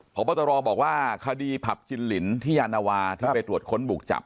พบตรบอกว่าคดีผับจินลินที่ยานวาที่ไปตรวจค้นบุกจับ